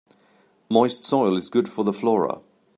Moist soil is good for the flora.